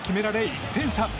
１点差。